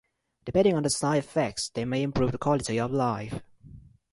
Depending on the side effects they may improve the quality of life.